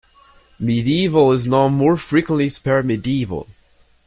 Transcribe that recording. Mediaeval is now more frequently spelled medieval.